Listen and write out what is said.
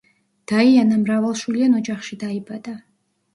დაიანა მრავალშვილიან ოჯახში დაიბადა.